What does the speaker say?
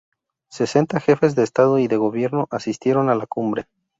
Sesenta Jefes de Estado y de Gobierno asistieron a la cumbre.